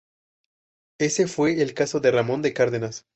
Ese fue el caso de Ramón de Cárdenas.